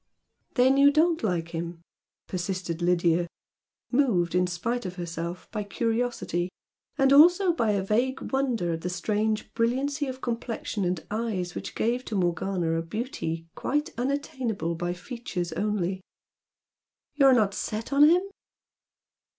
"Then you don't like him?" persisted Lydia, moved, in spite of herself, by curiosity, and also by a vague wonder at the strange brilliancy of complexion and eyes which gave to Morgana a beauty quite unattainable by features only "You're not set on him?"